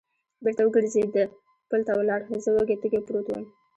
بېرته و ګرځېد، پل ته ولاړ، زه وږی تږی پروت ووم.